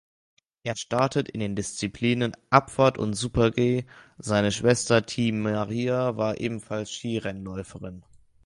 Er startet in den Disziplinen Abfahrt und Super-G, seine Schwester Tii-Maria war ebenfalls Skirennläuferin.